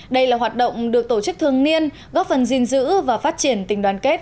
đây là hoạt động được tổ chức thường niên góp phần gìn giữ và phát triển tình đoàn kết